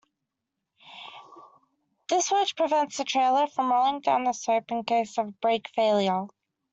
This wedge prevents the trailer from rolling down the slope in case of brake failure.